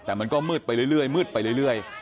แต่มันก็มืดไปเรื่อยมืดไปเรื่อย